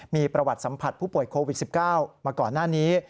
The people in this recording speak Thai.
มีประวัติสัมผัสผู้ป่วยโควิด๑๙มาก่อนหน้านี้